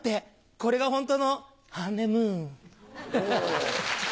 これがホントのハンネムーン。